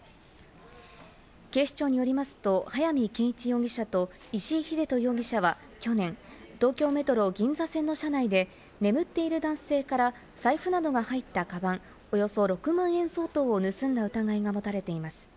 警視庁によりますと、早見賢一容疑者と石井英人容疑者は去年、東京メトロ銀座線の車内で、眠っている男性から財布などが入ったカバン、およそ６万円相当を盗んだ疑いが持たれています。